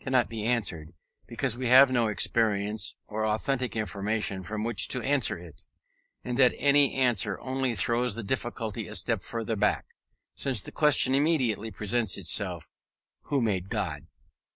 cannot be answered, because we have no experience or authentic information from which to answer it; and that any answer only throws the difficulty a step further back, since the question immediately presents itself, "Who made God?"